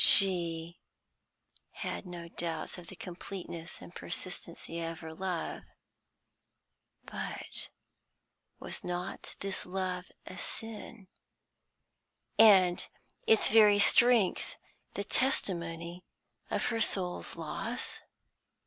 She had no doubts of the completeness and persistency of her love. But was not this love a sin, and its very strength the testimony of her soul's loss?